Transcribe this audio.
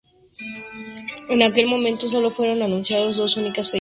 En aquel momento solo fueron anunciadas dos únicas fechas.